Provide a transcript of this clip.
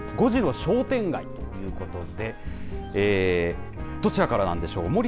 ５時の商店街ということで、どちらからなんでしょう？